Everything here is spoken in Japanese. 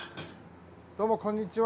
どうもこんにちは。